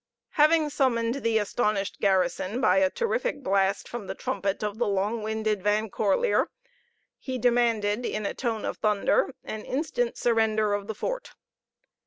Having summoned the astonished garrison by a terrific blast from the trumpet of the long winded Van Corlear, he demanded, in a tone of thunder, an instant surrender of the fort.